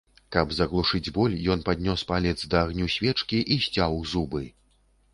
Каб заглушыць боль, ён паднёс палец да агню свечкі і сцяў зубы.